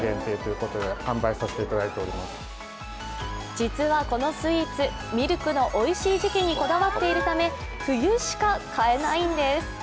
実はこのスイーツ、ミルクのおいしい時期にこだわっているため冬しか買えないんです。